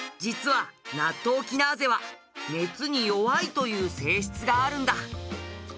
実はナットウキナーゼは熱に弱いという性質があるんだ。